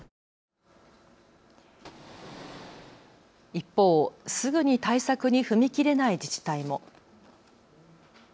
一方、すぐに対策に踏み切れない自治体も。